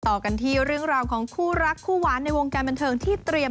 ต่อกันที่เรื่องราวของคู่รักคู่หวานในวงการบันเทิงที่เตรียม